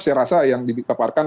saya rasa yang diteparkan